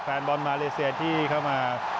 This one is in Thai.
แฟนบอลมาเลเซียที่เข้ามา